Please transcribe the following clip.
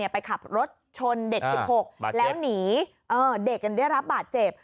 ไปขับรถชนเด็ก๑๖แล้วหนีเด็กได้รับบาดเจ็บ